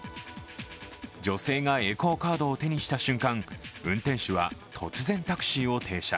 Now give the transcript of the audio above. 女性がエコーカードを手にした瞬間、運転手は突然、タクシーを停車。